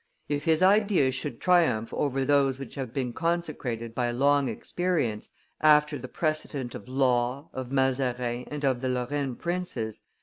If his ideas should triumph over those which have been consecrated by long experience, after the precedent of Law, of Mazarin, and of the Lorraine princes, M.